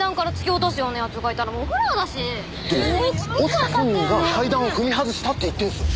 落ちた本人が階段を踏み外したって言ってんすよ。